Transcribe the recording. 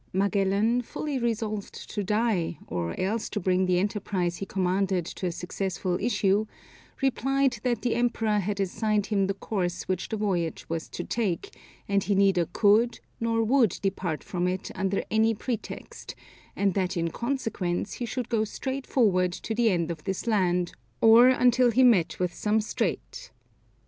Magellan, fully resolved to die, or else to bring the enterprise he commanded to a successful issue, replied that the Emperor had assigned him the course which the voyage was to take, and he neither could nor would depart from it under any pretext, and that in consequence, he should go straight forward to the end of this land, or until he met with some strait.